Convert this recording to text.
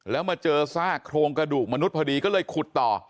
แล้วมาเจอซากโครงกระดูกมนุษย์พอดีก็เลยขุดต่อ